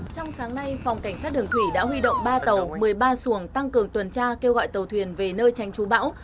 trong sáng nay phòng cảnh sát đường thủy đã huy động ba tàu một mươi ba xuồng tăng cường tuần tra kêu gọi tàu thuyền về nơi tranh trú bão